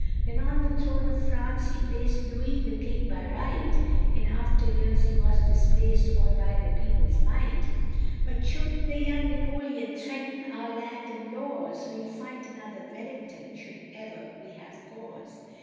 Then on the throne of France he placed Louis the king by right, In after years he was displaced all by the people's might, But should the young Napoleon threaten our land and laws, We'll find another Wellington should ever we have cause.